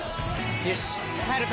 よし帰るか！